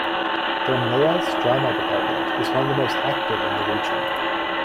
Thornlea's Drama Department is one of the most active in the region.